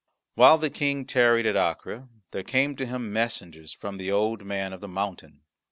While the King tarried at Acre there came to him messengers from the Old Man of the Mountain.